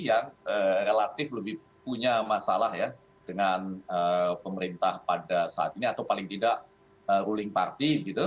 yang relatif lebih punya masalah ya dengan pemerintah pada saat ini atau paling tidak ruling party gitu